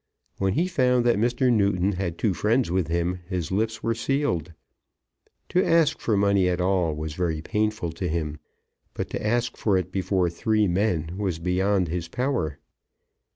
When he found that Mr. Newton had two friends with him, his lips were sealed. To ask for money at all was very painful to him, but to ask for it before three men was beyond his power.